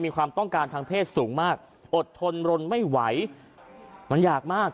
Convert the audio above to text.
มีความต้องการทางเพศสูงมากอดทนรนไม่ไหวมันอยากมาก